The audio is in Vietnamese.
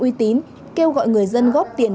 uy tín kêu gọi người dân góp tiền